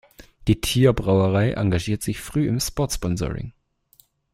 Die Thier-Brauerei engagierte sich früh im Sportsponsoring.